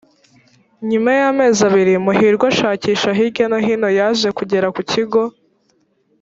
nyuma y’amezi abiri muhirwa ashakisha hirya no hino yaje kugera ku kigo